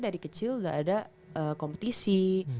dari kecil gak ada kompetisi